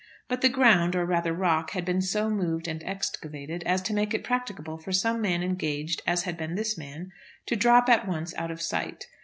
But the ground, or rather rock, had so been moved and excavated as to make it practicable for some men engaged, as had been this man, to drop at once out of sight.